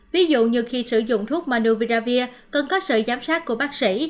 ví dụ như khi sử dụng thuốc manovida cần có sự giám sát của bác sĩ